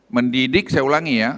mendidik saya ulangi ya